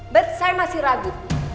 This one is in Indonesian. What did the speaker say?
bert saya masih ragu